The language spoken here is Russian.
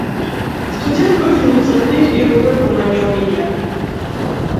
Студент выглянул за дверь и рукой поманил меня.